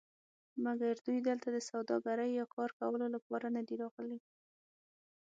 مګر دوی دلته د سوداګرۍ یا کار کولو لپاره ندي راغلي.